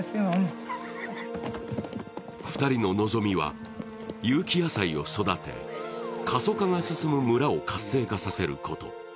２人の望みは、有機野菜を育て過疎化が進む村を活性化させること。